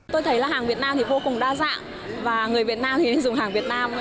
tôi thấy là hàng việt nam thì vô cùng đa dạng và người việt nam thì dùng hàng việt nam